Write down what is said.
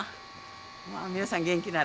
まあ皆さん元気なら。